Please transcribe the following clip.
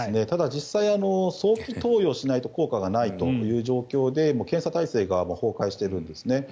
ただ実際、早期投与しないと効果がないという状況で検査体制が崩壊しているんですね。